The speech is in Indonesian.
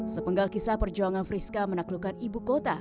sepenggal kisah perjuangan friska menaklukkan ibu kota